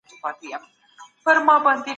کله د طلاق حق کارول کیږي؟